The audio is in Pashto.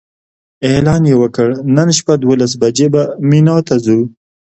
اعلان یې وکړ نن شپه دولس بجې به مینا ته ځو.